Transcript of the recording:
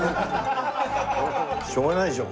しょうがないでしょ